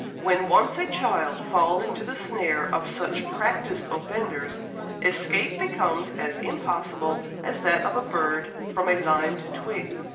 When once a child falls into the snare of such practised offenders, escape becomes as impossible as that of a bird from a limed twig."